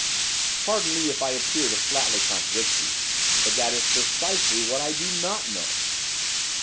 'Pardon me if I appear to flatly contradict you, but that is precisely what I do not know.